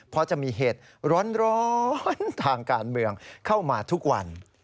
เพราะจะมีเหตุร้อนทางการเมืองเข้ามาทุกวัน